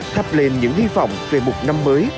thắp lên những hy vọng về một năm mới